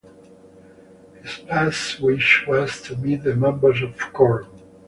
His last wish was to meet the members of Korn.